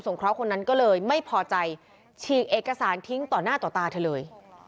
เคราะห์คนนั้นก็เลยไม่พอใจฉีกเอกสารทิ้งต่อหน้าต่อตาเธอเลย